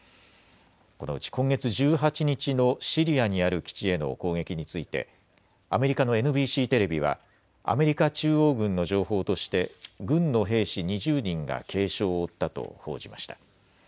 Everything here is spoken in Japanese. このうち今月１８日のシリアにある基地への攻撃についてアメリカのＮＢＣテレビはアメリカ中央軍の情報として軍の兵士２０人が軽傷を負ったと報じました。